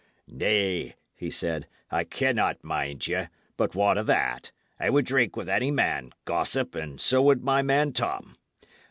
"Nay," he said, "I cannot mind you. But what o' that? I would drink with any man, gossip, and so would my man Tom.